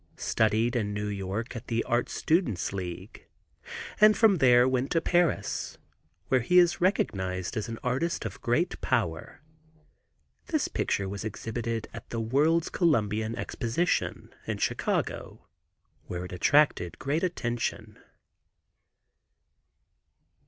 studied in New York at the Art Students' League, and from there went to Paris, where he is recognized as an artist of great power. This picture was exhibited at the World's Columbian Exposition, in Chicago, where it attracted great attention.